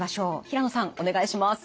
平野さんお願いします。